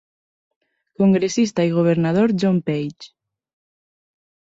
Congressista i governador John Page.